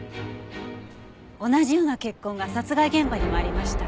同じような血痕が殺害現場にもありました。